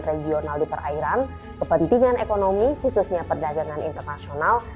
regional diperairan kepentingan ekonomi khususnya perdagangan internasional